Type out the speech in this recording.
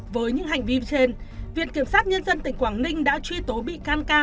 với những hành vi trên viện kiểm sát nhân dân tỉnh quảng ninh đã truy tố bị can cao